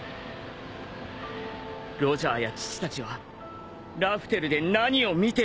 ロジャーや父たちはラフテルで何を見て笑った！？